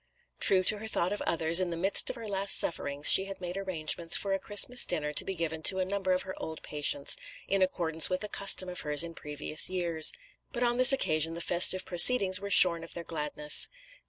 True to her thought of others, in the midst of her last sufferings, she had made arrangements for a Christmas dinner to be given to a number of her old patients, in accordance with a custom of hers in previous years; but on this occasion the festive proceedings were shorn of their gladness.